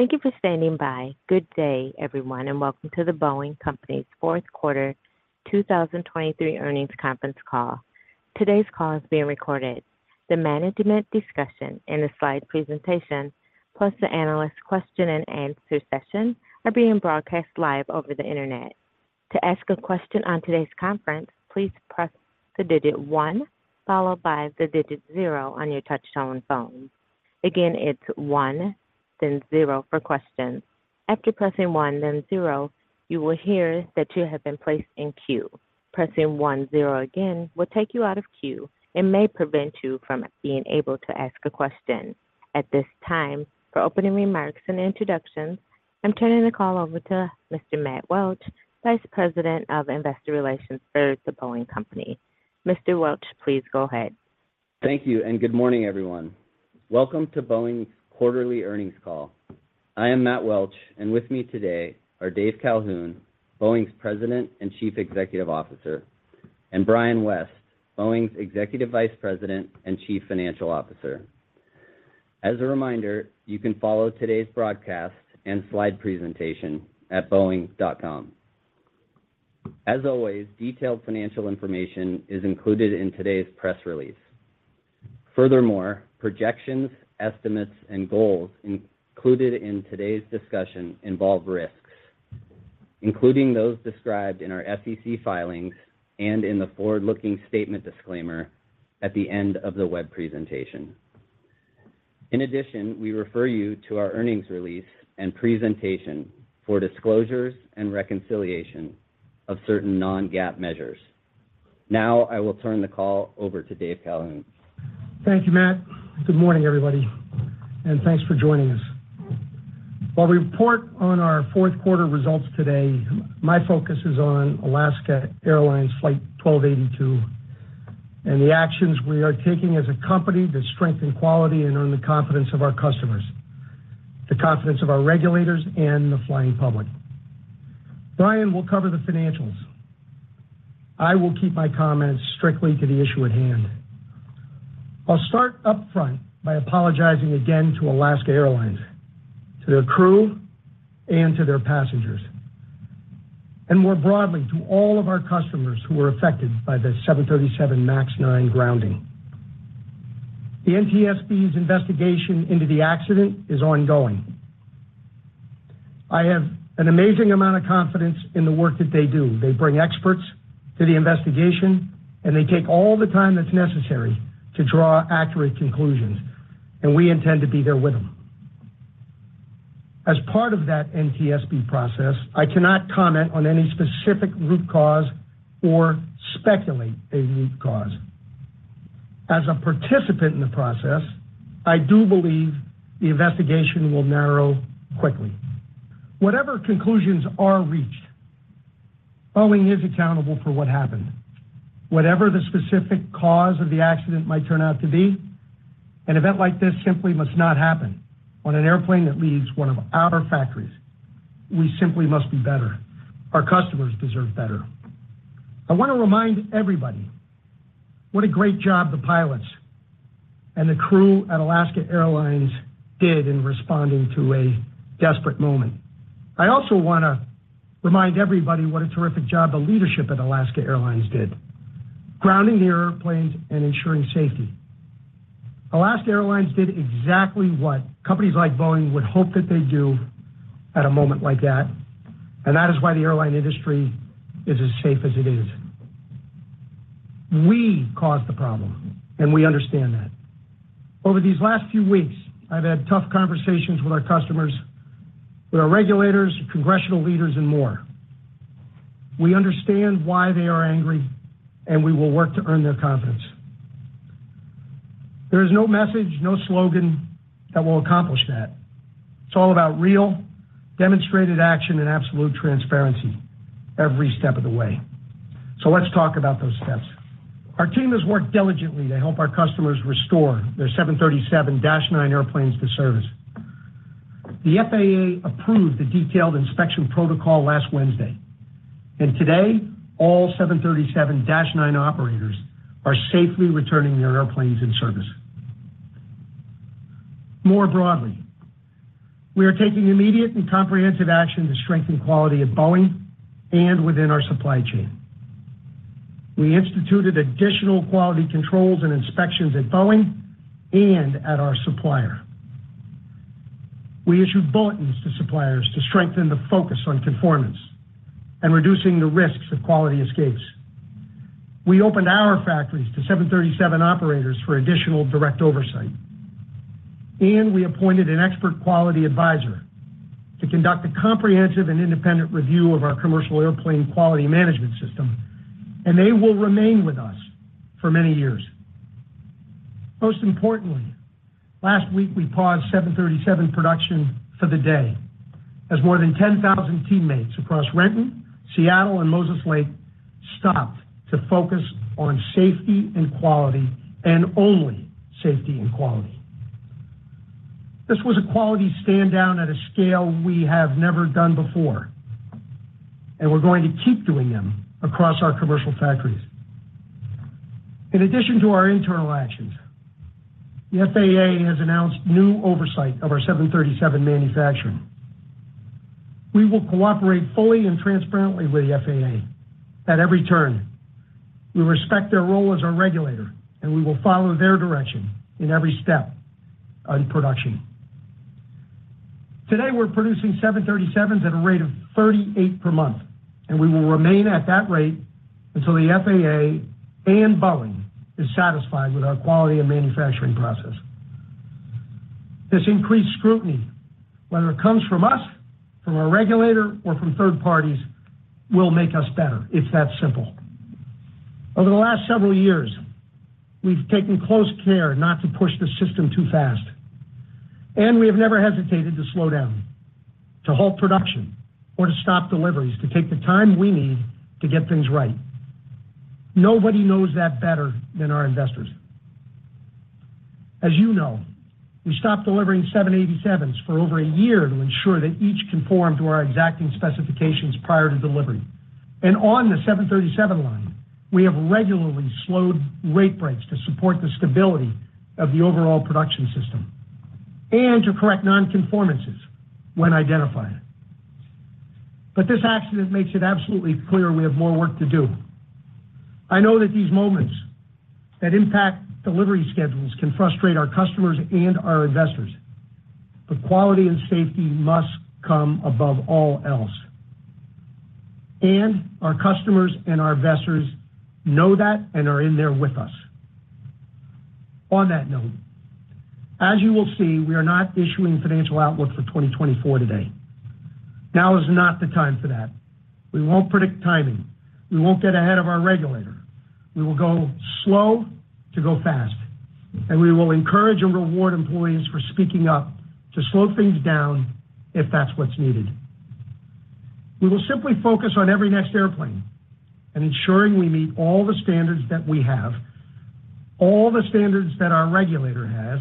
Thank you for standing by. Good day, everyone, and welcome to The Boeing Company's Q4 2023 earnings conference call. Today's call is being recorded. The management discussion and the slide presentation, plus the analyst question and answer session are being broadcast live over the Internet. To ask a question on today's conference, please press the digit one, followed by the digit zero on your touchtone phone. Again, it's one, then zero for questions. After pressing one, then zero, you will hear that you have been placed in queue. Pressing one, zero again will take you out of queue and may prevent you from being able to ask a question. At this time, for opening remarks and introductions, I'm turning the call over to Mr. Matt Welch, Vice President of Investor Relations for The Boeing Company. Mr. Welch, please go ahead. Thank you, and good morning, everyone. Welcome to Boeing's quarterly earnings call. I am Matt Welch, and with me today are Dave Calhoun, Boeing's President and Chief Executive Officer, and Brian West, Boeing's Executive Vice President and Chief Financial Officer. As a reminder, you can follow today's broadcast and slide presentation at Boeing.com. As always, detailed financial information is included in today's press release. Furthermore, projections, estimates, and goals included in today's discussion involve risks, including those described in our SEC filings and in the forward-looking statement disclaimer at the end of the web presentation. In addition, we refer you to our earnings release and presentation for disclosures and reconciliation of certain non-GAAP measures. Now I will turn the call over to Dave Calhoun. Thank you, Matt. Good morning, everybody, and thanks for joining us. While we report on our Q4 results today, my focus is on Alaska Airlines Flight 1282 and the actions we are taking as a company to strengthen quality and earn the confidence of our customers, the confidence of our regulators and the flying public. Brian will cover the financials. I will keep my comments strictly to the issue at hand. I'll start up front by apologizing again to Alaska Airlines, to their crew and to their passengers, and more broadly, to all of our customers who were affected by the 737 MAX 9 grounding. The NTSB's investigation into the accident is ongoing. I have an amazing amount of confidence in the work that they do. They bring experts to the investigation, and they take all the time that's necessary to draw accurate conclusions, and we intend to be there with them. As part of that NTSB process, I cannot comment on any specific root cause or speculate a root cause. As a participant in the process, I do believe the investigation will narrow quickly. Whatever conclusions are reached, Boeing is accountable for what happened. Whatever the specific cause of the accident might turn out to be, an event like this simply must not happen on an airplane that leaves one of our factories. We simply must be better. Our customers deserve better. I want to remind everybody what a great job the pilots and the crew at Alaska Airlines did in responding to a desperate moment. I also want to remind everybody what a terrific job the leadership at Alaska Airlines did, grounding the airplanes and ensuring safety. Alaska Airlines did exactly what companies like Boeing would hope that they do at a moment like that, and that is why the airline industry is as safe as it is. We caused the problem, and we understand that. Over these last few weeks, I've had tough conversations with our customers, with our regulators, congressional leaders, and more. We understand why they are angry, and we will work to earn their confidence. There is no message, no slogan that will accomplish that. It's all about real, demonstrated action and absolute transparency every step of the way. So let's talk about those steps. Our team has worked diligently to help our customers restore their 737-9 airplanes to service. The FAA approved the detailed inspection protocol last Wednesday, and today, all 737-9 operators are safely returning their airplanes in service. More broadly, we are taking immediate and comprehensive action to strengthen quality at Boeing and within our supply chain. We instituted additional quality controls and inspections at Boeing and at our supplier. We issued bulletins to suppliers to strengthen the focus on conformance and reducing the risks of quality escapes. We opened our factories to 737 operators for additional direct oversight, and we appointed an expert quality advisor to conduct a comprehensive and independent review of our commercial airplane quality management system, and they will remain with us for many years. Most importantly, last week, we paused 737 production for the day, as more than 10,000 teammates across Renton, Seattle, and Moses Lake stopped to focus on safety and quality, and only safety and quality. This was a quality standdown at a scale we have never done before, and we're going to keep doing them across our commercial factories.... In addition to our internal actions, the FAA has announced new oversight of our 737 manufacturing. We will cooperate fully and transparently with the FAA at every turn. We respect their role as our regulator, and we will follow their direction in every step on production. Today, we're producing 737s at a rate of 38 per month, and we will remain at that rate until the FAA and Boeing is satisfied with our quality and manufacturing process. This increased scrutiny, whether it comes from us, from our regulator, or from third parties, will make us better. It's that simple. Over the last several years, we've taken close care not to push the system too fast, and we have never hesitated to slow down, to halt production, or to stop deliveries, to take the time we need to get things right. Nobody knows that better than our investors. As you know, we stopped delivering 787s for over a year to ensure that each conformed to our exacting specifications prior to delivery. And on the 737 line, we have regularly slowed rate breaks to support the stability of the overall production system and to correct non-conformances when identified. But this accident makes it absolutely clear we have more work to do. I know that these moments that impact delivery schedules can frustrate our customers and our investors, but quality and safety must come above all else. Our customers and our investors know that and are in there with us. On that note, as you will see, we are not issuing financial outlook for 2024 today. Now is not the time for that. We won't predict timing. We won't get ahead of our regulator. We will go slow to go fast, and we will encourage and reward employees for speaking up to slow things down if that's what's needed. We will simply focus on every next airplane and ensuring we meet all the standards that we have, all the standards that our regulator has,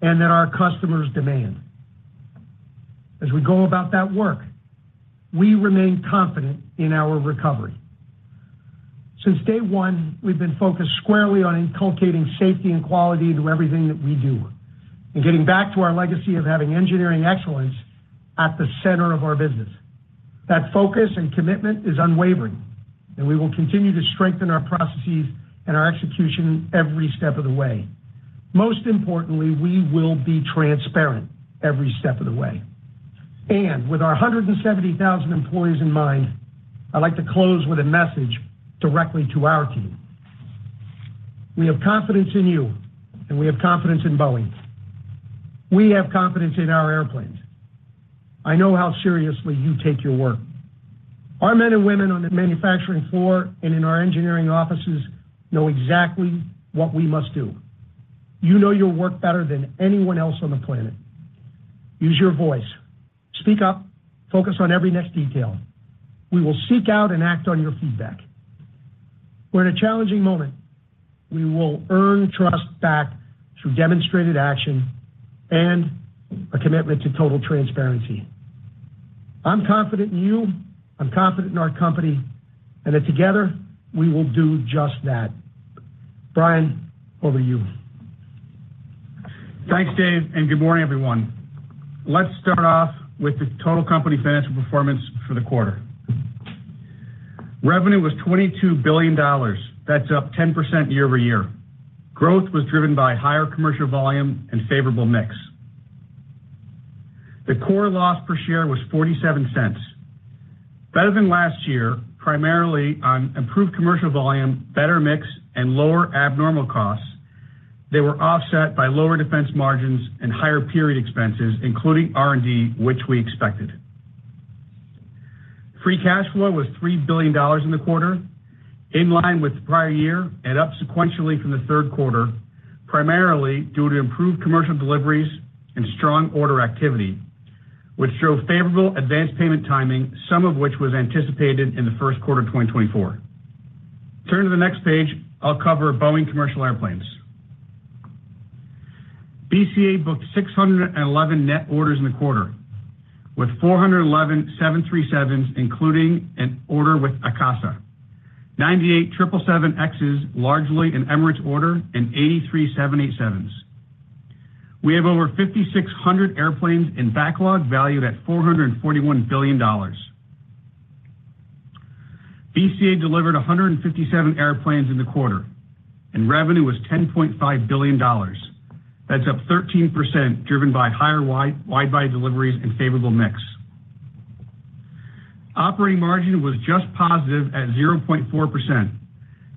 and that our customers demand. As we go about that work, we remain confident in our recovery. Since day one, we've been focused squarely on inculcating safety and quality to everything that we do, and getting back to our legacy of having engineering excellence at the center of our business. That focus and commitment is unwavering, and we will continue to strengthen our processes and our execution every step of the way. Most importantly, we will be transparent every step of the way. And with our 170,000 employees in mind, I'd like to close with a message directly to our team. We have confidence in you, and we have confidence in Boeing. We have confidence in our airplanes. I know how seriously you take your work. Our men and women on the manufacturing floor and in our engineering offices know exactly what we must do. You know your work better than anyone else on the planet. Use your voice, speak up, focus on every next detail. We will seek out and act on your feedback. We're in a challenging moment. We will earn trust back through demonstrated action and a commitment to total transparency. I'm confident in you, I'm confident in our company, and that together, we will do just that. Brian, over to you. Thanks, Dave, and good morning, everyone. Let's start off with the total company financial performance for the quarter. Revenue was $22 billion. That's up 10% year-over-year. Growth was driven by higher commercial volume and favorable mix. The core loss per share was $0.47. Better than last year, primarily on improved commercial volume, better mix, and lower abnormal costs. They were offset by lower defense margins and higher period expenses, including R&D, which we expected. Free cash flow was $3 billion in the quarter, in line with the prior year and up sequentially from the Q3 primarily due to improved commercial deliveries and strong order activity, which shows favorable advance payment timing, some of which was anticipated in the Q1 of 2024. Turn to the next page, I'll cover Boeing Commercial Airplanes. BCA booked 611 net orders in the quarter, with 411 737s, including an order with Akasa, 98 777Xs, largely an Emirates order, and 83 787s. We have over 5,600 airplanes in backlog, valued at $441 billion. BCA delivered 157 airplanes in the quarter, and revenue was $10.5 billion. That's up 13%, driven by higher wide, widebody deliveries and favorable mix. Operating margin was just positive at 0.4%,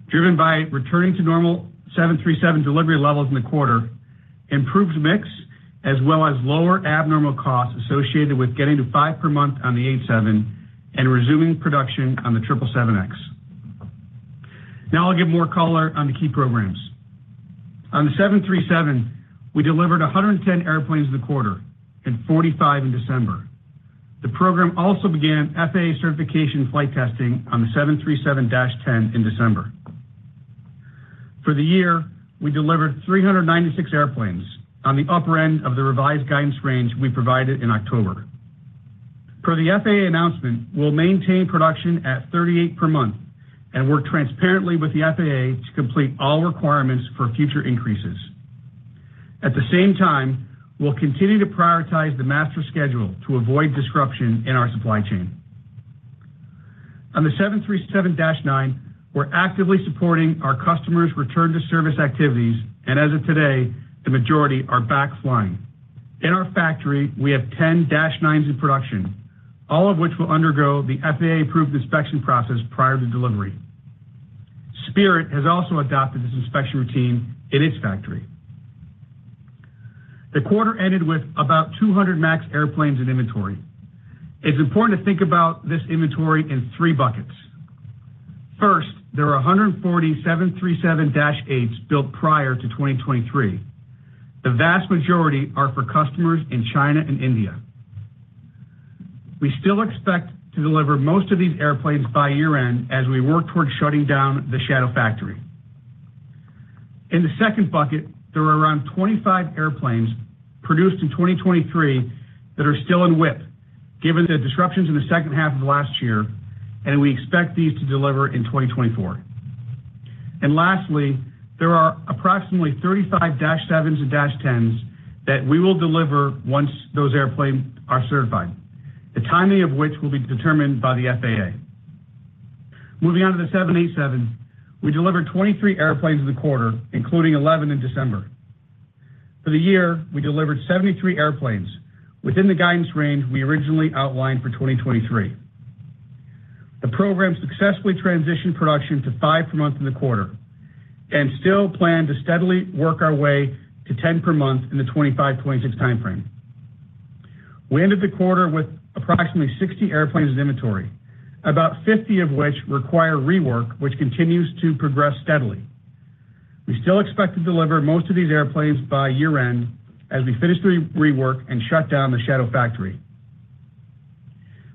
driven by returning to normal 737 delivery levels in the quarter, improved mix, as well as lower abnormal costs associated with getting to five per month on the 787 and resuming production on the 777X. Now I'll give more color on the key programs. On the 737, we delivered 110 airplanes in the quarter and 45 in December. The program also began FAA certification flight testing on the 737-10 in December. For the year, we delivered 396 airplanes on the upper end of the revised guidance range we provided in October. Per the FAA announcement, we'll maintain production at 38 per month and work transparently with the FAA to complete all requirements for future increases. At the same time, we'll continue to prioritize the master schedule to avoid disruption in our supply chain. On the 737-9, we're actively supporting our customers' return-to-service activities, and as of today, the majority are back flying. In our factory, we have 10 -9s in production, all of which will undergo the FAA-approved inspection process prior to delivery. Spirit has also adopted this inspection routine in its factory. The quarter ended with about 200 MAX airplanes in inventory. It's important to think about this inventory in three buckets. First, there are 147 737-8s built prior to 2023. The vast majority are for customers in China and India. We still expect to deliver most of these airplanes by year-end as we work towards shutting down the shadow factory. In the second bucket, there are around 25 airplanes produced in 2023 that are still in WIP, given the disruptions in the H2 of last year, and we expect these to deliver in 2024. And lastly, there are approximately 35 -7s and -10s that we will deliver once those airplanes are certified, the timing of which will be determined by the FAA. Moving on to the 787, we delivered 23 airplanes in the quarter, including 11 in December. For the year, we delivered 73 airplanes within the guidance range we originally outlined for 2023. The program successfully transitioned production to five per month in the quarter and still plan to steadily work our way to 10 per month in the 2025, 2026 time frame. We ended the quarter with approximately 60 airplanes in inventory, about 50 of which require rework, which continues to progress steadily. We still expect to deliver most of these airplanes by year-end as we finish the re-rework and shut down the shadow factory.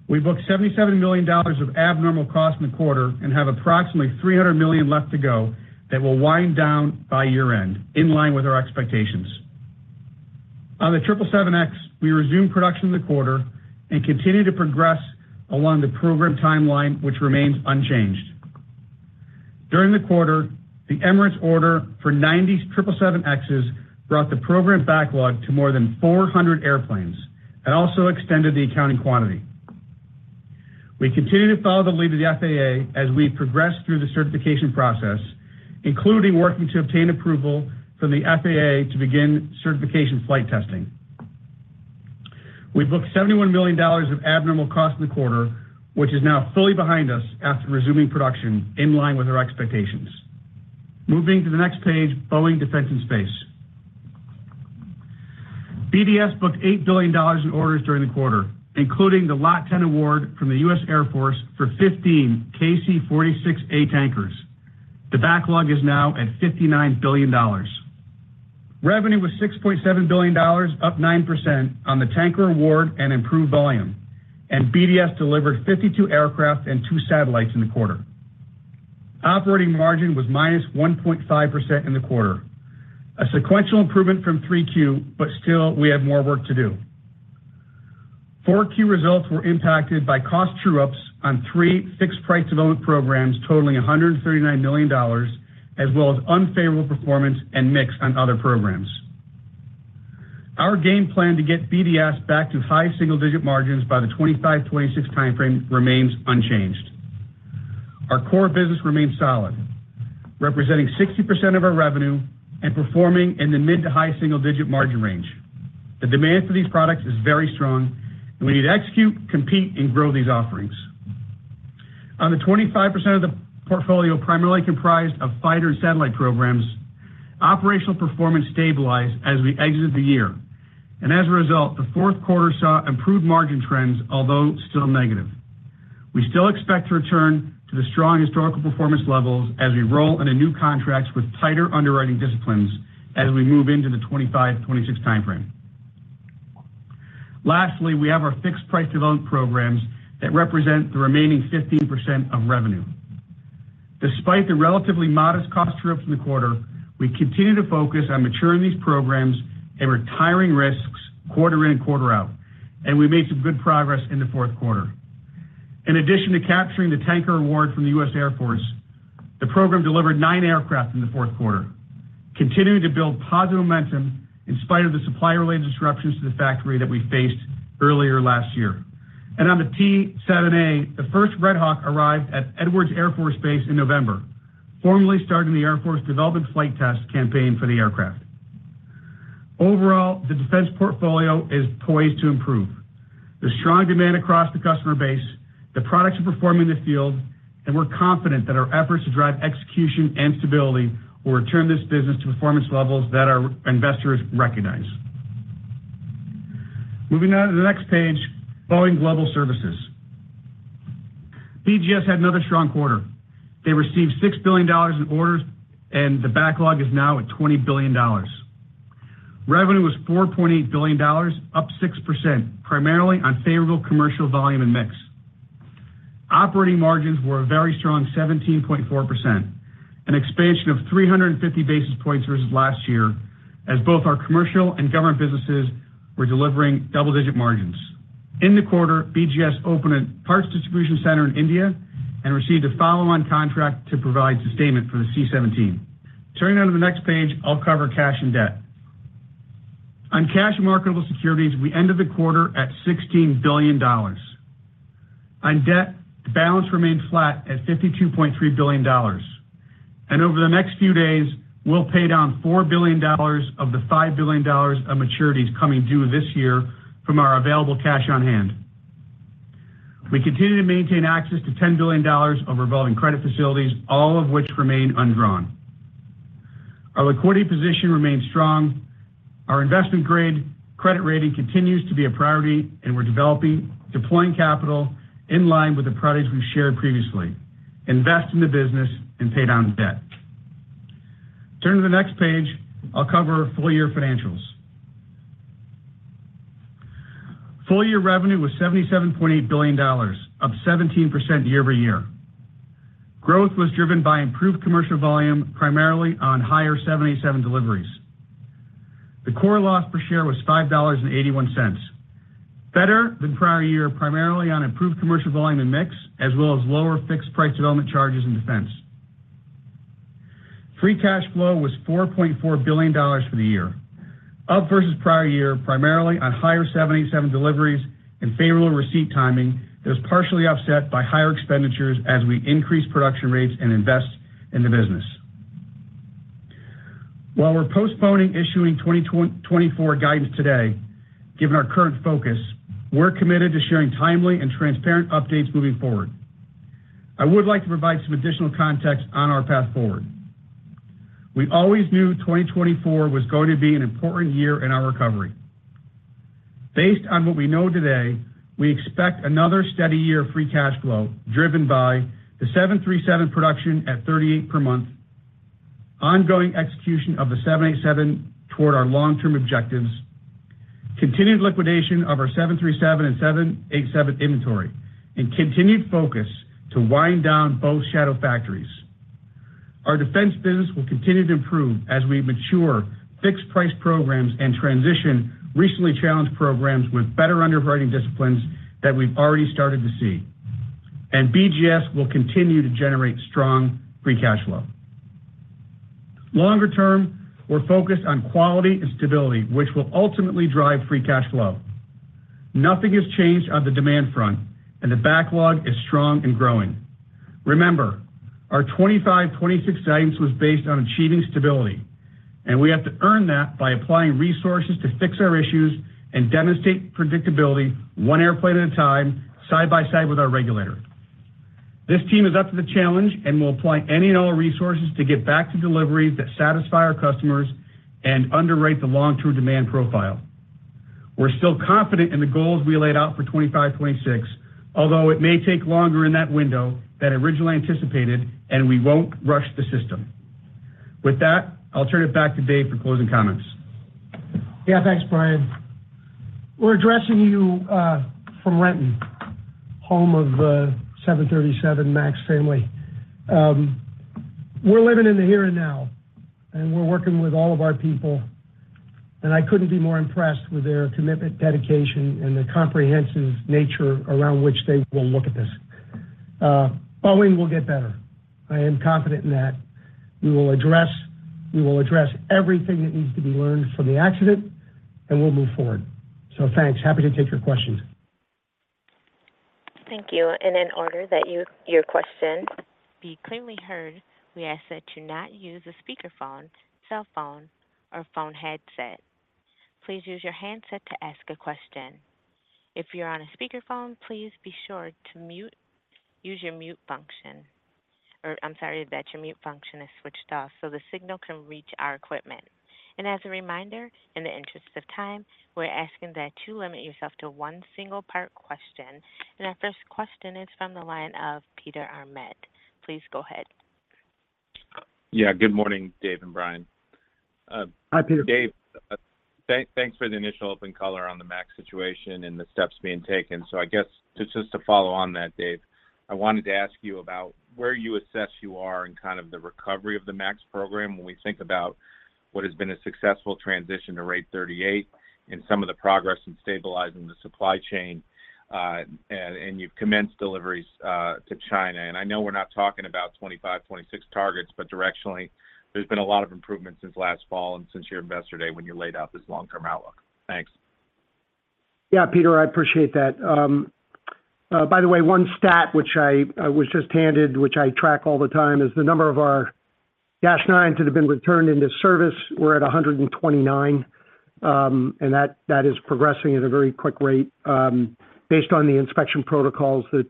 We booked $77 million of abnormal costs in the quarter and have approximately $300 million left to go that will wind down by year-end, in line with our expectations. On the 777X, we resumed production in the quarter and continued to progress along the program timeline, which remains unchanged. During the quarter, the Emirates order for 90 777Xs brought the program backlog to more than 400 airplanes and also extended the accounting quantity. We continue to follow the lead of the FAA as we progress through the certification process, including working to obtain approval from the FAA to begin certification flight testing. We've booked $71 million of abnormal costs in the quarter, which is now fully behind us after resuming production in line with our expectations. Moving to the next page, Boeing Defense and Space. BDS booked $8 billion in orders during the quarter, including the Lot 10 award from the U.S. Air Force for 15 KC-46A tankers. The backlog is now at $59 billion. Revenue was $6.7 billion, up 9% on the tanker award and improved volume, and BDS delivered 52 aircraft and two satellites in the quarter. Operating margin was -1.5% in the quarter, a sequential improvement from 3Q, but still, we have more work to do. Four key results were impacted by cost true-ups on three fixed-price development programs, totaling $139 million, as well as unfavorable performance and mix on other programs. Our game plan to get BDS back to high single-digit margins by the 2025-2026 time frame remains unchanged. Our core business remains solid, representing 60% of our revenue and performing in the mid to high single-digit margin range. The demand for these products is very strong, and we need to execute, compete, and grow these offerings. On the 25% of the portfolio, primarily comprised of fighter and satellite programs, operational performance stabilized as we exited the year, and as a result, the Q4 saw improved margin trends, although still negative. We still expect to return to the strong historical performance levels as we roll into new contracts with tighter underwriting disciplines as we move into the 2025-2026 time frame. Lastly, we have our fixed-price development programs that represent the remaining 15% of revenue. Despite the relatively modest cost true-ups in the quarter, we continue to focus on maturing these programs and retiring risks quarter in, quarter out, and we made some good progress in the Q4. In addition to capturing the tanker award from the U.S. Air Force, the program delivered nine aircraft in the Q4, continuing to build positive momentum in spite of the supply-related disruptions to the factory that we faced earlier last year. On the T-7A, the first Red Hawk arrived at Edwards Air Force Base in November, formally starting the Air Force development flight test campaign for the aircraft. Overall, the defense portfolio is poised to improve. The strong demand across the customer base, the products are performing in the field, and we're confident that our efforts to drive execution and stability will return this business to performance levels that our investors recognize. Moving on to the next page, Boeing Global Services. BGS had another strong quarter. They received $6 billion in orders, and the backlog is now at $20 billion. Revenue was $4.8 billion, up 6%, primarily on favorable commercial volume and mix. Operating margins were a very strong 17.4%, an expansion of 350 basis points versus last year, as both our commercial and government businesses were delivering double-digit margins. In the quarter, BGS opened a parts distribution center in India and received a follow-on contract to provide sustainment for the C-17. Turning on to the next page, I'll cover cash and debt. On cash marketable securities, we ended the quarter at $16 billion. On debt, the balance remained flat at $52.3 billion, and over the next few days, we'll pay down $4 billion of the $5 billion of maturities coming due this year from our available cash on hand. We continue to maintain access to $10 billion of revolving credit facilities, all of which remain undrawn. Our liquidity position remains strong. Our investment grade credit rating continues to be a priority, and we're developing, deploying capital in line with the priorities we shared previously, invest in the business and pay down debt. Turn to the next page, I'll cover full year financials. Full year revenue was $77.8 billion, up 17% year-over-year. Growth was driven by improved commercial volume, primarily on higher 787 deliveries. The core loss per share was $5.81, better than prior year, primarily on improved commercial volume and mix, as well as lower fixed price development charges in defense. Free cash flow was $4.4 billion for the year, up versus prior year, primarily on higher 787 deliveries and favorable receipt timing, that was partially offset by higher expenditures as we increase production rates and invest in the business. While we're postponing issuing 2024 guidance today, given our current focus, we're committed to sharing timely and transparent updates moving forward. I would like to provide some additional context on our path forward. We always knew 2024 was going to be an important year in our recovery. Based on what we know today, we expect another steady year of free cash flow, driven by the 737 production at 38 per month, ongoing execution of the 787 toward our long-term objectives, continued liquidation of our 737 and 787 inventory, and continued focus to wind down both shadow factories. Our defense business will continue to improve as we mature fixed price programs and transition recently challenged programs with better underwriting disciplines that we've already started to see. And BGS will continue to generate strong free cash flow. Longer term, we're focused on quality and stability, which will ultimately drive free cash flow. Nothing has changed on the demand front, and the backlog is strong and growing. Remember, our 2025, 2026 guidance was based on achieving stability, and we have to earn that by applying resources to fix our issues and demonstrate predictability one airplane at a time, side by side with our regulator. This team is up to the challenge, and we'll apply any and all resources to get back to deliveries that satisfy our customers and underwrite the long-term demand profile. We're still confident in the goals we laid out for 2025, 2026, although it may take longer in that window than originally anticipated, and we won't rush the system. With that, I'll turn it back to Dave for closing comments. Yeah, thanks, Brian. We're addressing you from Renton, home of the 737 MAX family. We're living in the here and now, and we're working with all of our people, and I couldn't be more impressed with their commitment, dedication, and the comprehensive nature around which they will look at this. Boeing will get better. I am confident in that. We will address, we will address everything that needs to be learned from the accident, and we'll move forward. So thanks. Happy to take your questions. Thank you. In order that your questions be clearly heard, we ask that you not use a speakerphone, cell phone, or phone headset. Please use your handset to ask a question. If you're on a speakerphone, please be sure to use your mute function, or I'm sorry, that your mute function is switched off so the signal can reach our equipment. As a reminder, in the interest of time, we're asking that you limit yourself to one single part question. Our first question is from the line of Peter Arment. Please go ahead. Yeah, good morning, Dave and Brian. Hi, Peter. Dave, thanks for the initial open color on the MAX situation and the steps being taken. So I guess just to follow on that, Dave, I wanted to ask you about where you assess you are in kind of the recovery of the MAX program. When we think about what has been a successful transition to rate 38 and some of the progress in stabilizing the supply chain, and you've commenced deliveries to China. And I know we're not talking about 25, 26 targets, but directionally, there's been a lot of improvement since last fall and since your investor day when you laid out this long-term outlook. Thanks. Yeah, Peter, I appreciate that. By the way, one stat which I, I was just handed, which I track all the time, is the number of our Dash Nines that have been returned into service. We're at 129, and that, that is progressing at a very quick rate, based on the inspection protocols that,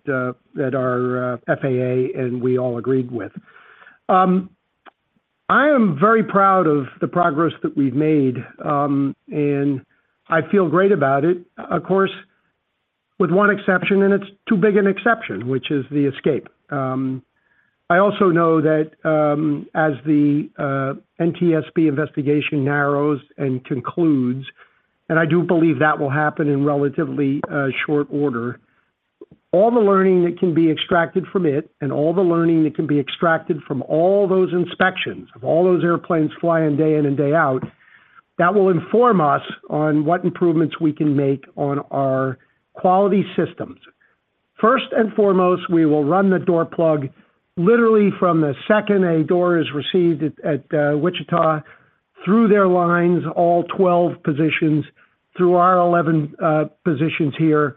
that our, FAA and we all agreed with. I am very proud of the progress that we've made, and I feel great about it. Of course, with one exception, and it's too big an exception, which is the escape... I also know that, as the NTSB investigation narrows and concludes, and I do believe that will happen in relatively short order, all the learning that can be extracted from it and all the learning that can be extracted from all those inspections, of all those airplanes flying day in and day out, that will inform us on what improvements we can make on our quality systems. First and foremost, we will run the door plug literally from the second a door is received at Wichita, through their lines, all 12 positions, through our 11 positions here.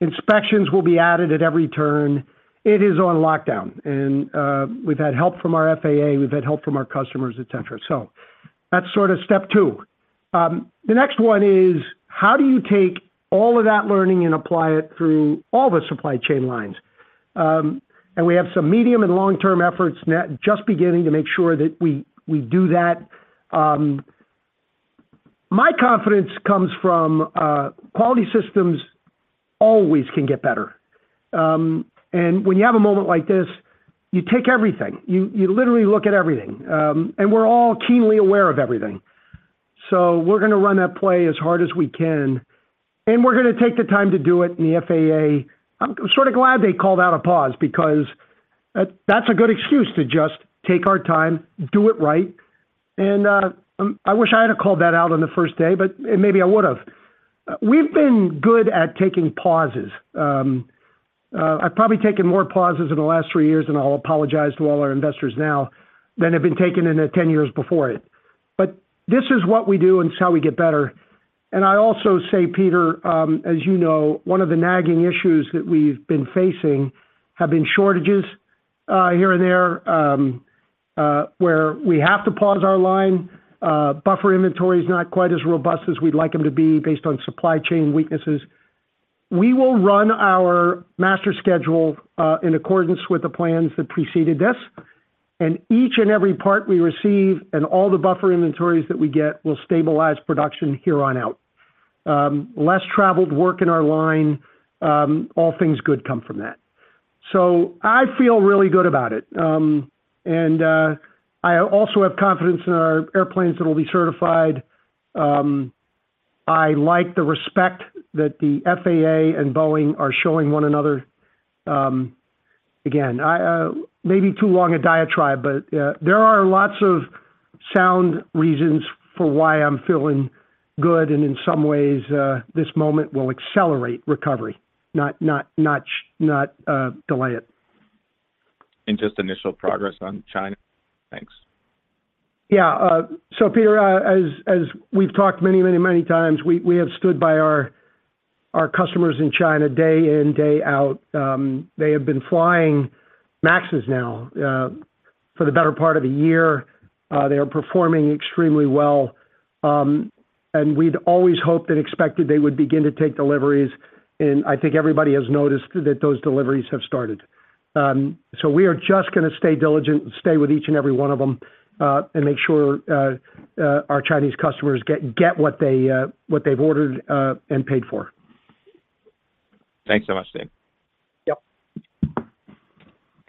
Inspections will be added at every turn. It is on lockdown, and we've had help from our FAA, we've had help from our customers, et cetera. So that's sort of step two. The next one is, how do you take all of that learning and apply it through all the supply chain lines? And we have some medium and long-term efforts now, just beginning to make sure that we do that. My confidence comes from quality systems always can get better. And when you have a moment like this, you take everything, you literally look at everything. And we're all keenly aware of everything. So we're going to run that play as hard as we can, and we're going to take the time to do it. And the FAA, I'm sort of glad they called out a pause because that, that's a good excuse to just take our time, do it right. And I wish I had called that out on the first day, but, and maybe I would have. We've been good at taking pauses. I've probably taken more pauses in the last three years, and I'll apologize to all our investors now, than have been taken in the 10 years before it. But this is what we do, and this is how we get better. And I also say, Peter, as you know, one of the nagging issues that we've been facing have been shortages here and there, where we have to pause our line, buffer inventory is not quite as robust as we'd like them to be based on supply chain weaknesses. We will run our master schedule in accordance with the plans that preceded this, and each and every part we receive and all the buffer inventories that we get will stabilize production here on out. Less traveled work in our line, all things good come from that. So I feel really good about it. I also have confidence in our airplanes that will be certified. I like the respect that the FAA and Boeing are showing one another. Again, I may be too long a diatribe, but there are lots of sound reasons for why I'm feeling good, and in some ways, this moment will accelerate recovery, not, not, not, not, delay it. Just initial progress on China? Thanks. Yeah. So Peter, as we've talked many, many, many times, we have stood by our customers in China day in, day out. They have been flying MAXes now for the better part of a year. They are performing extremely well. And we'd always hoped and expected they would begin to take deliveries, and I think everybody has noticed that those deliveries have started. So we are just going to stay diligent, stay with each and every one of them, and make sure our Chinese customers get what they've ordered and paid for. Thanks so much, Dave. Yep.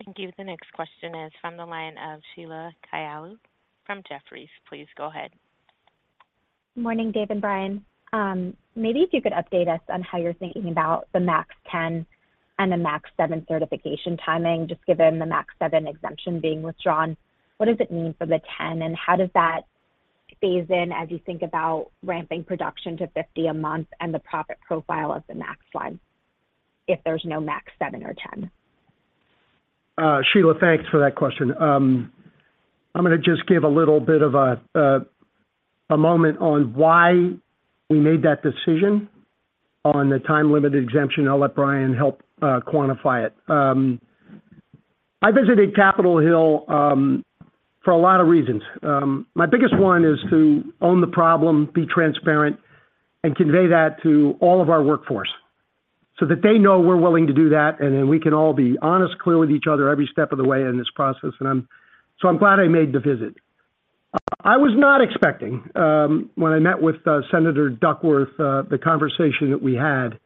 Thank you. The next question is from the line of Sheila Kahyaoglu from Jefferies. Please go ahead. Morning, Dave and Brian. Maybe if you could update us on how you're thinking about the MAX 10 and the MAX 7 certification timing, just given the MAX 7 exemption being withdrawn, what does it mean for the 10, and how does that phase in as you think about ramping production to 50 a month and the profit profile of the MAX line, if there's no MAX 7 or 10? Sheila, thanks for that question. I'm going to just give a little bit of a moment on why we made that decision on the time-limited exemption. I'll let Brian help quantify it. I visited Capitol Hill for a lot of reasons. My biggest one is to own the problem, be transparent, and convey that to all of our workforce so that they know we're willing to do that, and then we can all be honest, clear with each other every step of the way in this process. And so I'm glad I made the visit. I was not expecting when I met with Senator Duckworth the conversation that we had.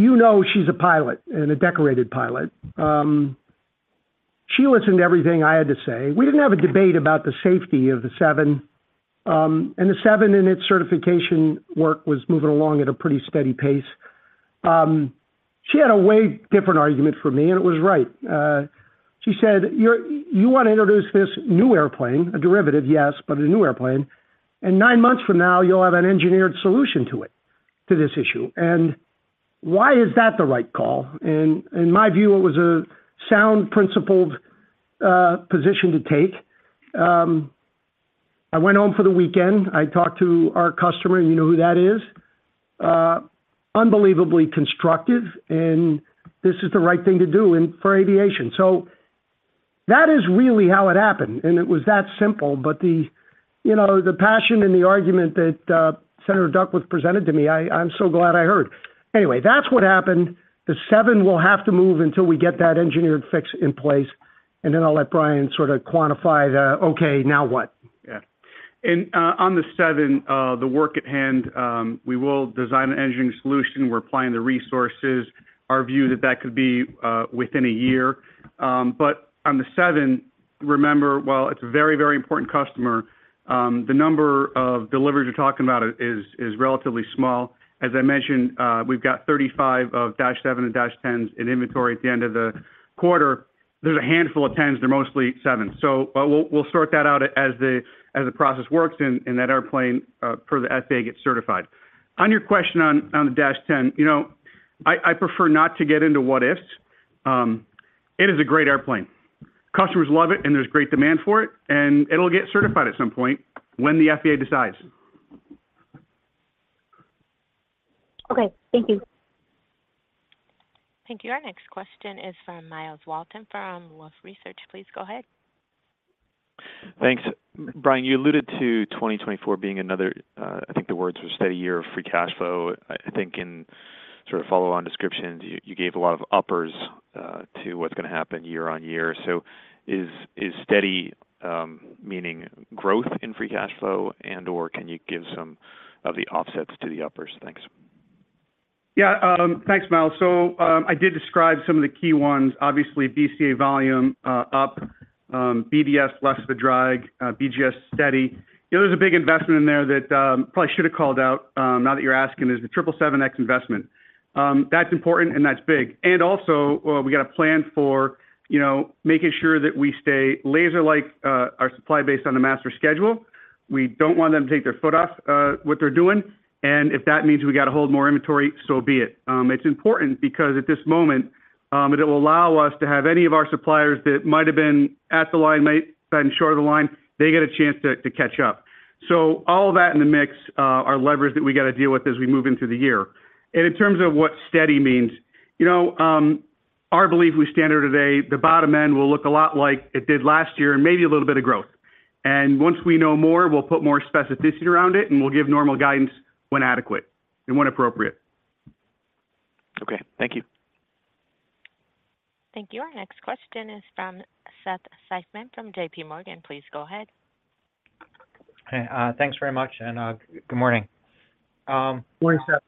You know, she's a pilot and a decorated pilot. She listened to everything I had to say. We didn't have a debate about the safety of the Seven, and the Seven, and its certification work was moving along at a pretty steady pace. She had a way different argument for me, and it was right. She said, "You're-- you want to introduce this new airplane, a derivative, yes, but a new airplane, and nine months from now, you'll have an engineered solution to it, to this issue. And why is that the right call?" In my view, it was a sound, principled position to take. I went home for the weekend. I talked to our customer, and you know who that is. Unbelievably constructive, and this is the right thing to do and for aviation. That is really how it happened, and it was that simple. But the, you know, the passion and the argument that Senator Duckworth presented to me, I, I'm so glad I heard. Anyway, that's what happened. The Seven will have to move until we get that engineered fix in place, and then I'll let Brian sort of quantify the, "Okay, now what?" Yeah.... On the seven, the work at hand, we will design an engineering solution. We're applying the resources, our view that that could be within a year. But on the seven, remember, while it's a very, very important customer, the number of deliveries you're talking about is relatively small. As I mentioned, we've got 35 of dash seven and dash tens in inventory at the end of the quarter. There's a handful of tens, they're mostly sevens. So, but we'll sort that out as the process works and that airplane, for the FAA, gets certified. On your question on the dash 10, you know, I prefer not to get into what ifs. It is a great airplane. Customers love it, and there's great demand for it, and it'll get certified at some point when the FAA decides. Okay, thank you. Thank you. Our next question is from Myles Walton from Wolfe Research. Please go ahead. Thanks. Brian, you alluded to 2024 being another, I think the words were steady year of free cash flow. I think in sort of follow-on descriptions, you, you gave a lot of uppers, to what's going to happen year on year. So is, is steady, meaning growth in free cash flow, and/or can you give some of the offsets to the uppers? Thanks. Yeah, thanks, Miles. So, I did describe some of the key ones. Obviously, BCA volume up, BDS less the drag, BGS steady. You know, there's a big investment in there that probably should have called out now that you're asking, is the 777X investment. That's important and that's big. And also, we got a plan for, you know, making sure that we stay laser-like our supply base on the master schedule. We don't want them to take their foot off what they're doing, and if that means we got to hold more inventory, so be it. It's important because at this moment, it will allow us to have any of our suppliers that might have been at the line, might have been short of the line, they get a chance to catch up. So all that in the mix, are levers that we got to deal with as we move into the year. And in terms of what steady means, you know, our belief we stand here today, the bottom end will look a lot like it did last year and maybe a little bit of growth. And once we know more, we'll put more specificity around it, and we'll give normal guidance when adequate and when appropriate. Okay, thank you. Thank you. Our next question is from Seth Seifman from JPMorgan. Please go ahead. Hey, thanks very much, and good morning. Good morning, Seth.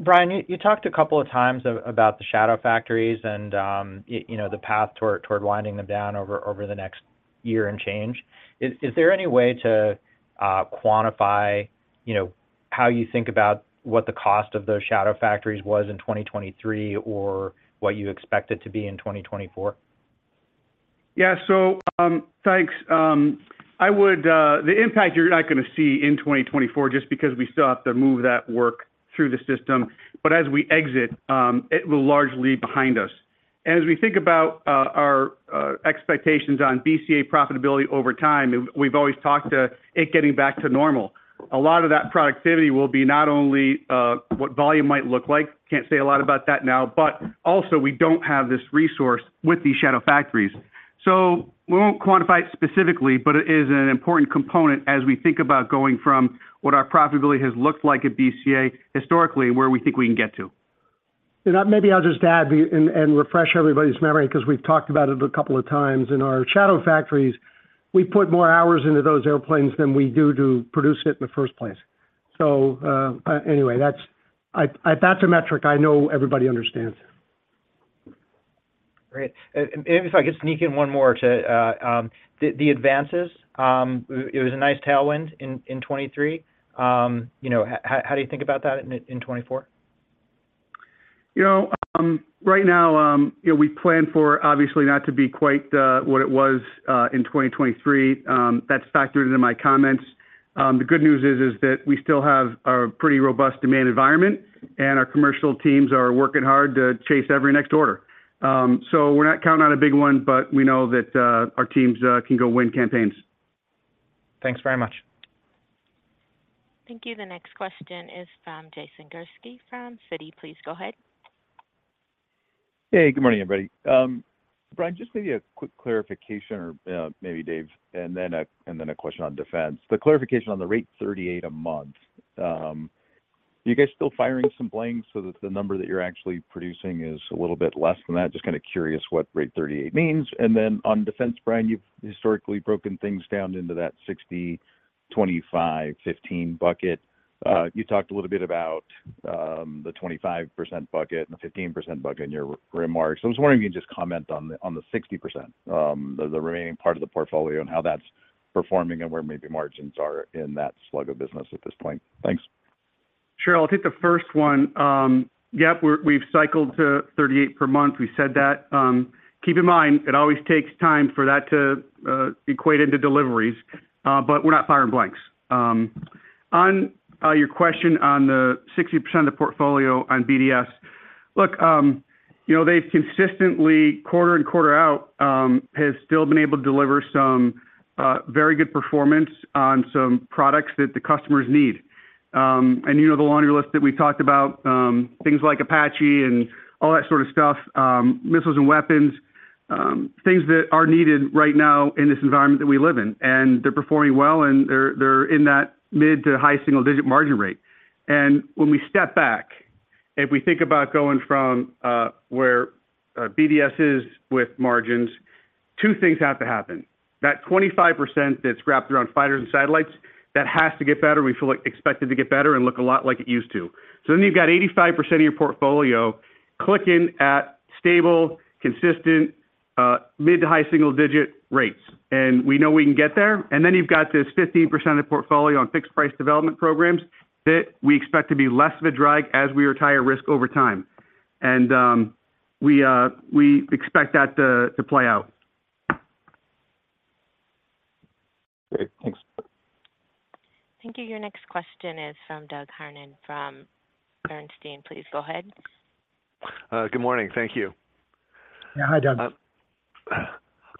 Brian, you talked a couple of times about the shadow factories and, you know, the path toward winding them down over the next year and change. Is there any way to quantify, you know, how you think about what the cost of those shadow factories was in 2023 or what you expect it to be in 2024? Yeah. So, thanks. The impact you're not going to see in 2024, just because we still have to move that work through the system, but as we exit, it will largely behind us. And as we think about our expectations on BCA profitability over time, we've always talked to it getting back to normal. A lot of that productivity will be not only what volume might look like, can't say a lot about that now, but also we don't have this resource with these shadow factories. So we won't quantify it specifically, but it is an important component as we think about going from what our profitability has looked like at BCA historically, and where we think we can get to. Maybe I'll just add and refresh everybody's memory because we've talked about it a couple of times. In our shadow factories, we put more hours into those airplanes than we do to produce it in the first place. So, anyway, that's a metric I know everybody understands. Great. And maybe if I could sneak in one more to the advances, it was a nice tailwind in 2023. You know, how do you think about that in 2024? You know, right now, you know, we plan for obviously not to be quite what it was in 2023. That's factored into my comments. The good news is that we still have a pretty robust demand environment, and our commercial teams are working hard to chase every next order. So we're not counting on a big one, but we know that our teams can go win campaigns. Thanks very much. Thank you. The next question is from Jason Gursky, from Citi. Please go ahead. Hey, good morning, everybody. Brian, just maybe a quick clarification or, maybe Dave, and then a question on defense. The clarification on the rate 38 a month, you guys still firing some blanks so that the number that you're actually producing is a little bit less than that? Just kind of curious what rate 38 means. And then on defense, Brian, you've historically broken things down into that 60, 25, 15 bucket. You talked a little bit about the 25% bucket and the 15% bucket in your prepared remarks. I was wondering if you can just comment on the 60%, the remaining part of the portfolio and how that's performing and where maybe margins are in that slug of business at this point. Thanks. Sure. I'll take the first one. Yep, we've cycled to 38 per month. We said that. Keep in mind, it always takes time for that to equate into deliveries, but we're not firing blanks. On your question on the 60% of the portfolio on BDS, look, you know, they've consistently, quarter-in-quarter out, has still been able to deliver some very good performance on some products that the customers need. And you know, the laundry list that we talked about, things like Apache and all that sort of stuff, missiles and weapons, things that are needed right now in this environment that we live in, and they're performing well, and they're in that mid- to high single-digit margin rate. And when we step back-... If we think about going from where BDS is with margins, two things have to happen: That 25% that's wrapped around fighters and satellites, that has to get better. We feel like expect it to get better and look a lot like it used to. So then you've got 85% of your portfolio clicking at stable, consistent mid- to high-single-digit rates, and we know we can get there. And then you've got this 15% of the portfolio on fixed price development programs that we expect to be less of a drag as we retire risk over time. And we expect that to play out. Great. Thanks. Thank you. Your next question is from Doug Harned, from Bernstein. Please go ahead. Good morning. Thank you. Yeah. Hi, Doug.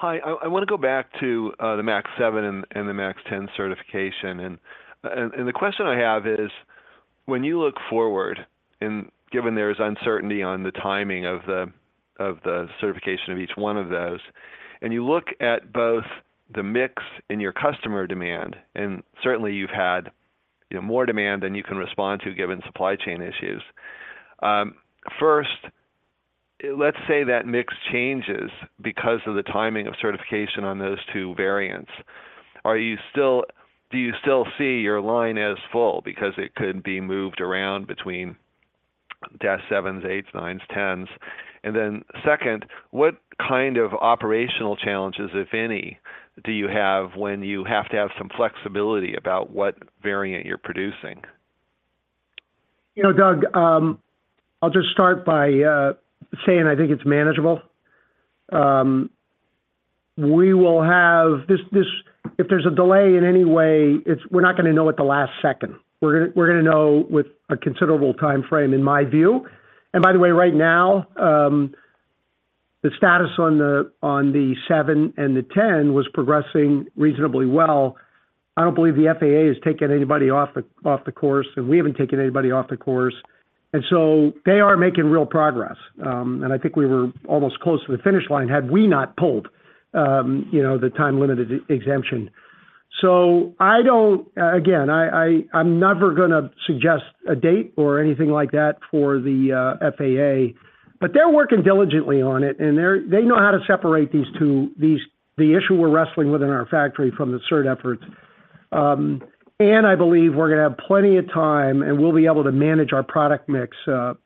Hi, I wanna go back to the MAX 7 and the MAX 10 certification. The question I have is, when you look forward and given there's uncertainty on the timing of the certification of each one of those, and you look at both the mix in your customer demand, and certainly you've had, you know, more demand than you can respond to, given supply chain issues. First, let's say that mix changes because of the timing of certification on those two variants. Are you still, do you still see your line as full? Because it could be moved around between dash 7s, 8s, 9s, 10s. And then second, what kind of operational challenges, if any, do you have when you have to have some flexibility about what variant you're producing? You know, Doug, I'll just start by saying I think it's manageable. We will have. If there's a delay in any way, it's-- we're not gonna know at the last second. We're gonna know with a considerable timeframe, in my view. And by the way, right now, the status on the Seven and the 10 was progressing reasonably well. I don't believe the FAA has taken anybody off the course, and we haven't taken anybody off the course, and so they are making real progress. And I think we were almost close to the finish line, had we not pulled, you know, the time-limited exemption. So again, I'm never gonna suggest a date or anything like that for the FAA, but they're working diligently on it, and they know how to separate these two, the issue we're wrestling with in our factory from the cert efforts. And I believe we're gonna have plenty of time, and we'll be able to manage our product mix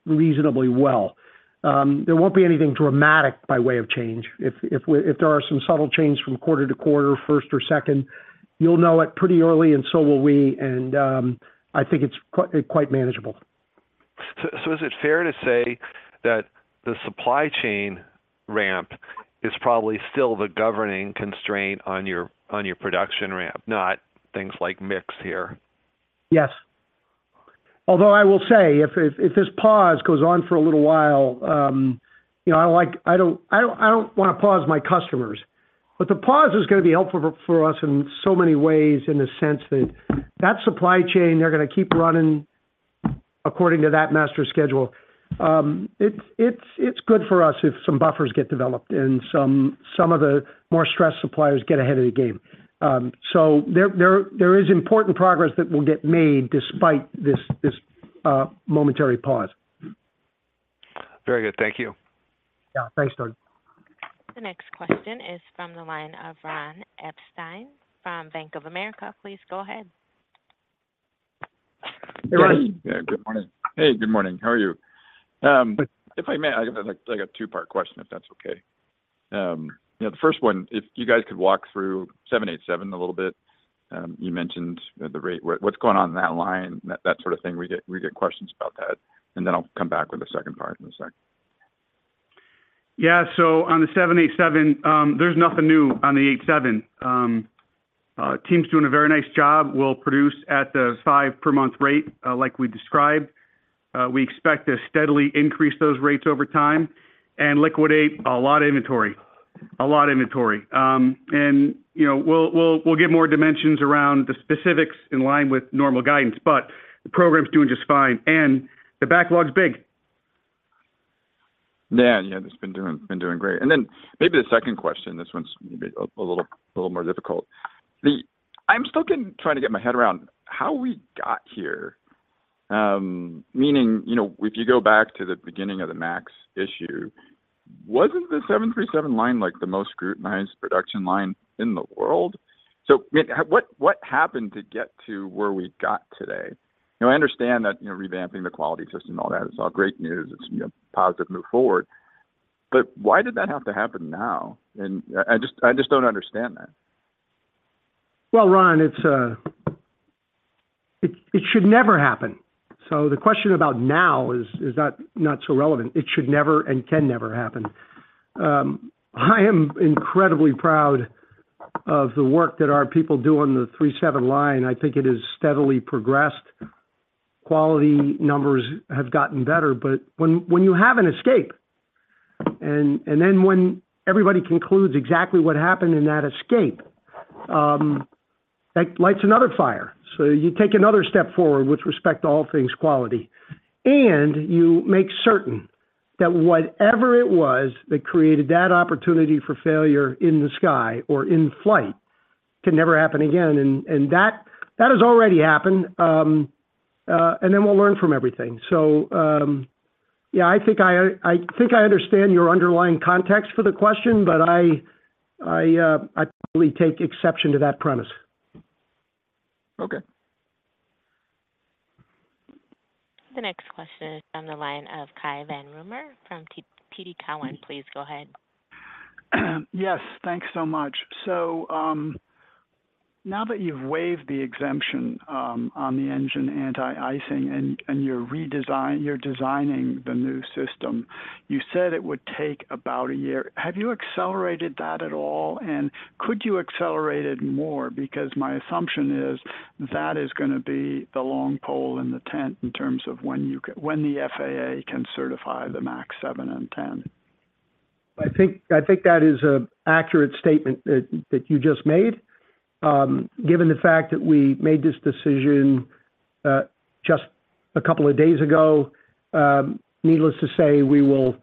reasonably well. There won't be anything dramatic by way of change. If there are some subtle changes from quarter-to-quarter, first or second, you'll know it pretty early, and so will we, and I think it's quite manageable. So, is it fair to say that the supply chain ramp is probably still the governing constraint on your production ramp, not things like mix here? Yes. Although I will say, if this pause goes on for a little while, you know, I don't wanna pause my customers. But the pause is gonna be helpful for us in so many ways, in the sense that that supply chain, they're gonna keep running according to that master schedule. It's good for us if some buffers get developed and some of the more stressed suppliers get ahead of the game. So there is important progress that will get made despite this momentary pause. Very good. Thank you. Yeah, thanks, Doug. The next question is from the line of Ron Epstein from Bank of America. Please go ahead. Hey, Ron. Yeah. Good morning. Hey, good morning. How are you? If I may, I got like a two-part question, if that's okay. You know, the first one, if you guys could walk through 787 a little bit. You mentioned the rate, what's going on in that line, that sort of thing. We get questions about that. And then I'll come back with the second part in a second. Yeah. So on the 787, there's nothing new on the 787. The team's doing a very nice job. We'll produce at the five-per-month rate, like we described. We expect to steadily increase those rates over time and liquidate a lot of inventory. A lot of inventory. And, you know, we'll, we'll, we'll get more dimensions around the specifics in line with normal guidance, but the program is doing just fine, and the backlog is big. Yeah. Yeah, it's been doing, been doing great. And then maybe the second question, this one's maybe a little more difficult. I'm still trying to get my head around how we got here. Meaning, you know, if you go back to the beginning of the MAX issue, wasn't the 737 line like the most scrutinized production line in the world? So, I mean, what happened to get to where we've got today? You know, I understand that, you know, revamping the quality system and all that, it's all great news, it's, you know, positive move forward, but why did that have to happen now? And I just don't understand that. Well, Ron, it's... It should never happen. So the question about now is not so relevant. It should never and can never happen. I am incredibly proud of the work that our people do on the 737 line. I think it has steadily progressed. Quality numbers have gotten better, but when you have an escape, and then when everybody concludes exactly what happened in that escape, that lights another fire. So you take another step forward with respect to all things quality, and you make certain that whatever it was that created that opportunity for failure in the sky or in flight-... Can never happen again, and that has already happened. And then we'll learn from everything. So, yeah, I think I understand your underlying context for the question, but I probably take exception to that premise. Okay. The next question is on the line of Cai von Rumohr from TD Cowen. Please go ahead. Yes, thanks so much. So, now that you've waived the exemption, on the engine anti-icing, and you're designing the new system, you said it would take about a year. Have you accelerated that at all? And could you accelerate it more? Because my assumption is that is gonna be the long pole in the tent in terms of when the FAA can certify the MAX 7 and 10. I think that is an accurate statement that you just made. Given the fact that we made this decision just a couple of days ago, needless to say, we will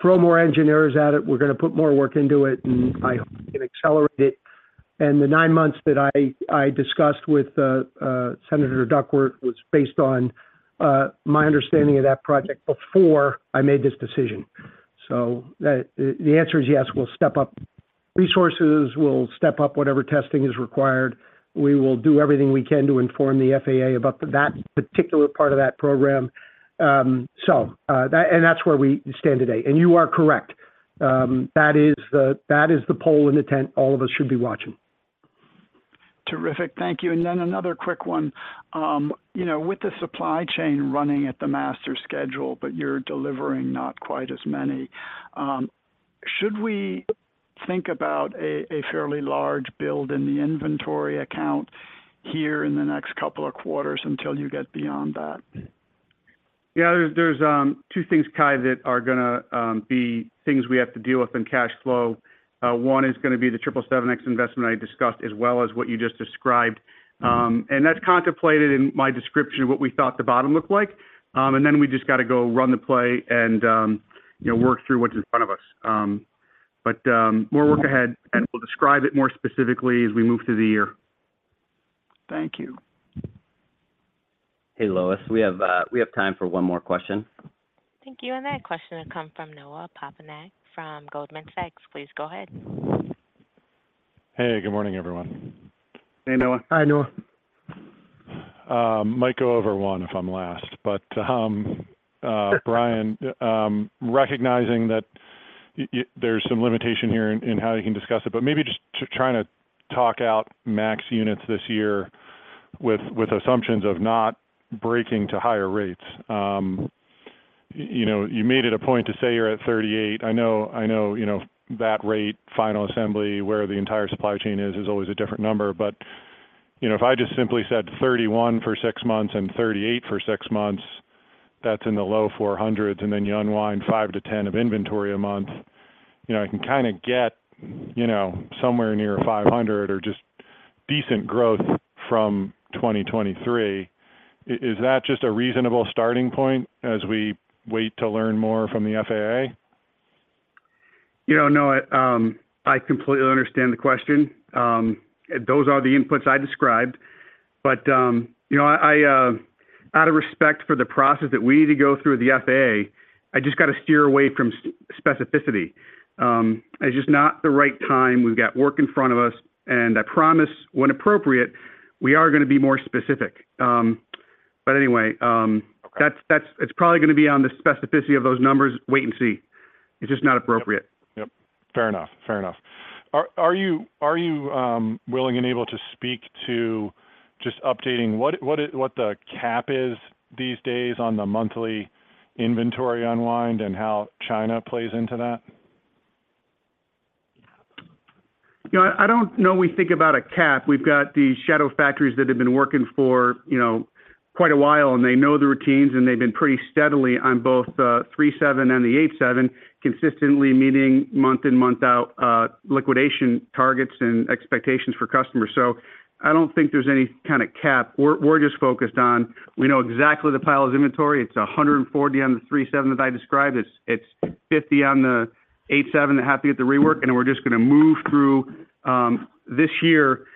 throw more engineers at it, we're gonna put more work into it, and I hope we can accelerate it. And the nine months that I discussed with Senator Duckworth was based on my understanding of that project before I made this decision. So the answer is yes, we'll step up resources, we'll step up whatever testing is required. We will do everything we can to inform the FAA about that particular part of that program. So, that's where we stand today. And you are correct. That is the pole in the tent all of us should be watching. Terrific. Thank you. And then another quick one. You know, with the supply chain running at the master schedule, but you're delivering not quite as many, should we think about a fairly large build in the inventory account here in the next couple of quarters until you get beyond that? Yeah, there's two things, Kai, that are gonna be things we have to deal with in cash flow. One is gonna be the 777X investment I discussed, as well as what you just described. And that's contemplated in my description of what we thought the bottom looked like. And then we just got to go run the play and, you know, work through what's in front of us. But we'll work ahead, and we'll describe it more specifically as we move through the year. Thank you. Hey, Lois, we have, we have time for one more question. Thank you. That question will come from Noah Poponak from Goldman Sachs. Please go ahead. Hey, good morning, everyone. Hey, Noah. Hi, Noah. Might go over one if I'm last, but, Brian, recognizing that there's some limitation here in how you can discuss it, but maybe just trying to talk out MAX units this year with assumptions of not breaking to higher rates. You know, you made it a point to say you're at 38. I know, I know, you know, that rate, final assembly, where the entire supply chain is always a different number. But, you know, if I just simply said 31 for six months and 38 for six months, that's in the low 400s, and then you unwind five-10 of inventory a month, you know, I can kinda get, you know, somewhere near 500 or just decent growth from 2023. Is that just a reasonable starting point as we wait to learn more from the FAA? You know, Noah, I completely understand the question. Those are the inputs I described. But, you know, out of respect for the process that we need to go through the FAA, I just got to steer away from specificity. It's just not the right time. We've got work in front of us, and I promise, when appropriate, we are gonna be more specific. But anyway, Okay... that's – it's probably gonna be on the specificity of those numbers, wait and see. It's just not appropriate. Yep. Fair enough. Fair enough. Are you willing and able to speak to just updating what the cap is these days on the monthly inventory unwind and how China plays into that? You know, I don't know we think about a cap. We've got these shadow factories that have been working for, you know, quite a while, and they know the routines, and they've been pretty steadily on both the 737 and the 787, consistently meeting month in, month out, liquidation targets and expectations for customers. So I don't think there's any kind of cap. We're just focused on, we know exactly the pile of inventory. It's 140 on the 737 that I described. It's 50 on the 787, half to get the rework, and we're just gonna move through this year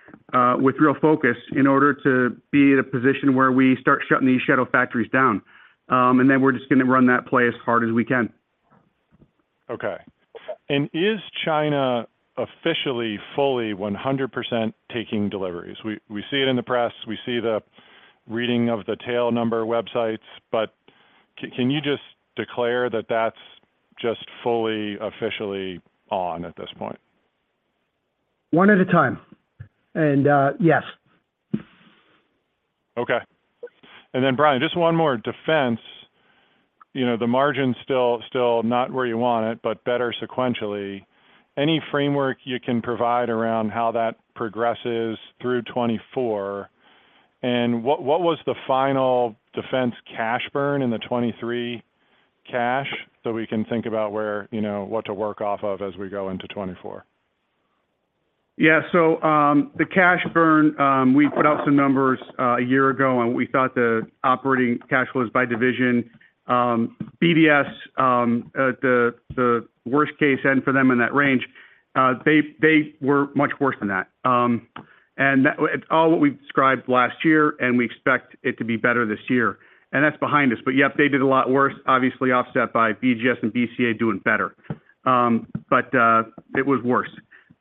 with real focus in order to be in a position where we start shutting these shadow factories down. And then we're just gonna run that play as hard as we can. Okay. And is China officially, fully, 100% taking deliveries? We see it in the press, we see the reading of the tail number websites, but can you just declare that that's just fully, officially on at this point? One at a time. And, yes. Okay. And then, Brian, just one more. Defense, you know, the margin's still not where you want it, but better sequentially. Any framework you can provide around how that progresses through 2024? And what was the final defense cash burn in the 2023 cash, so we can think about where, you know, what to work off of as we go into 2024? Yeah. So, the cash burn, we put out some numbers, a year ago, and we thought the operating cash flows by division, BDS, the worst-case end for them in that range, they were much worse than that. And that—it's all what we described last year, and we expect it to be better this year. And that's behind us. But yep, they did a lot worse, obviously, offset by BGS and BCA doing better. But, it was worse.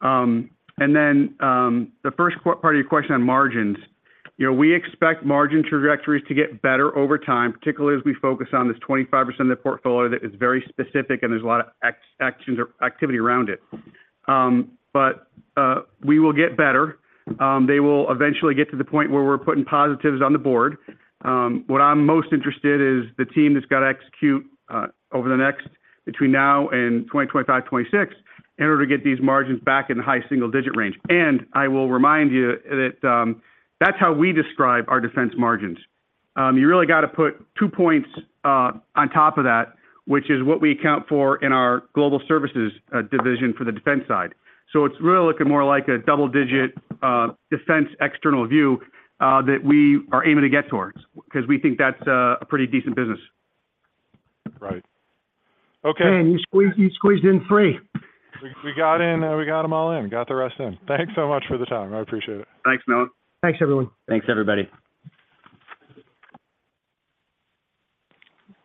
And then, the first part of your question on margins, you know, we expect margin trajectories to get better over time, particularly as we focus on this 25% of the portfolio that is very specific, and there's a lot of actions or activity around it. But, we will get better. They will eventually get to the point where we're putting positives on the board. What I'm most interested is the team that's got to execute over the next between now and 2025, 2026, in order to get these margins back in the high single-digit range. And I will remind you that that's how we describe our defense margins. You really got to put two points on top of that, which is what we account for in our global services division for the defense side. So it's really looking more like a double-digit defense external view that we are aiming to get towards, 'cause we think that's a pretty decent business. Right. Okay. You squeezed, you squeezed in 3. We got in, we got them all in. Got the rest in. Thanks so much for the time. I appreciate it. Thanks, Noah. Thanks, everyone. Thanks, everybody.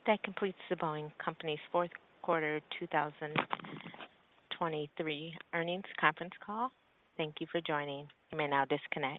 That completes The Boeing Company's Q4 2023 earnings conference call. Thank you for joining. You may now disconnect.